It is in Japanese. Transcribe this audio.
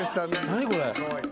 何これ？